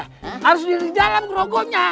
harus tinggal di dalam grogonya